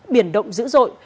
biển động dữ dội